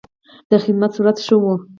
د خدمت سرعت ښه و.